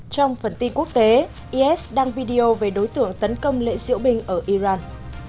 trong phần tin quốc tế is đăng video về đối tượng tấn công lễ diễu binh ở iran